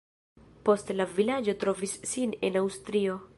Poste la vilaĝo trovis sin en Aŭstrio.